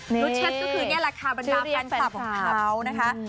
นุชเชสก็คือนี่แหละค่ะบรรดาแฟนคลับของเขานะคะ